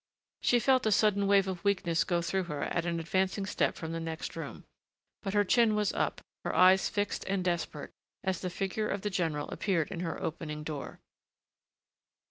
She felt a sudden wave of weakness go through her at an advancing step from the next room. But her chin was up, her eyes fixed and desperate as the figure of the general appeared in her opening door.